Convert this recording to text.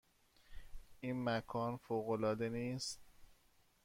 این مکان فوق العاده نیست؟